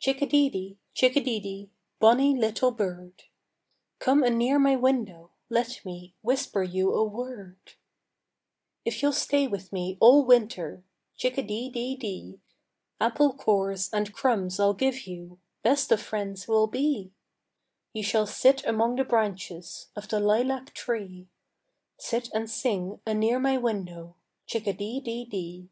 Chick a dee dee, chick a dee dee, Bonny little bird! Come anear my window, let me Whisper you a word: If you'll stay with me all winter, Chick a dee dee dee, Apple cores and crumbs I'll give you; Best of friends we'll be; You shall sit among the branches Of the lilac tree, Sit and sing anear my window, Chick a dee dee dee.